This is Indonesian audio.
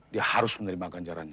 dia harus menerima ganjarannya